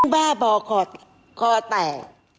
บ้าบอคอแต่